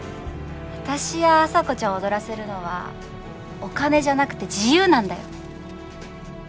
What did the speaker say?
私や麻子ちゃんを躍らせるのはお金じゃなくて自由なんだよ。